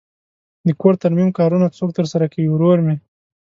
د کور ترمیم کارونه څوک ترسره کوی؟ ورور می